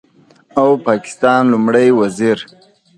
او د پاکستان لومړي وزیر